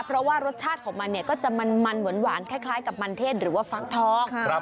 เพราะว่ารสชาติของมันเนี่ยก็จะมันหวานคล้ายกับมันเทศหรือว่าฟักทอง